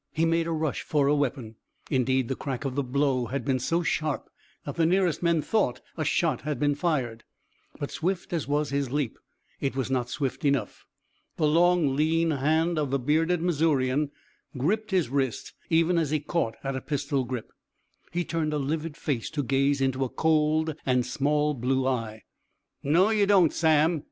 He made a rush for a weapon indeed, the crack of the blow had been so sharp that the nearest men thought a shot had been fired but swift as was his leap, it was not swift enough. The long, lean hand of the bearded Missourian gripped his wrist even as he caught at a pistol grip. He turned a livid face to gaze into a cold and small blue eye. "No, ye don't, Sam!"